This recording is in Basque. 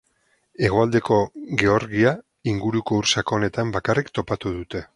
Hegoaldeko Georgia inguruko ur sakonetan bakarrik topatu dute.